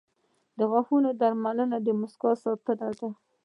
• د غاښونو درملنه د مسکا ساتنه ده.